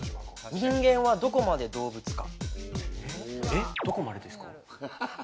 『人間はどこまで動物か』。